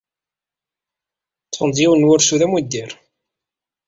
Ḍḍfen-d yiwen n wursu d amuddir.